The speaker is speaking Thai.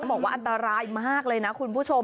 ออกไปแล้ว